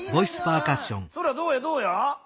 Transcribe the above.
そらどうやどうや？